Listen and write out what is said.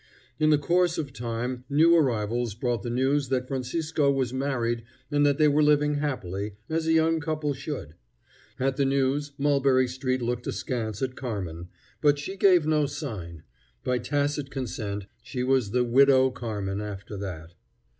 In the course of time new arrivals brought the news that Francisco was married and that they were living happily, as a young couple should. At the news Mulberry street looked askance at Carmen; but she gave no sign. By tacit consent, she was the Widow Carmen after that.